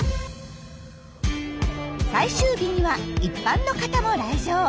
最終日には一般の方も来場。